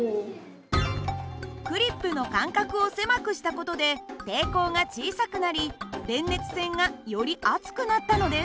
クリップの間隔を狭くした事で抵抗が小さくなり電熱線がより熱くなったのです。